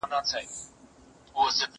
زه پرون د ښوونځی لپاره امادګي نيسم وم